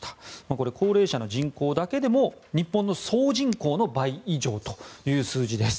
これ、高齢者の人口だけでも日本の総人口の倍以上という数字です。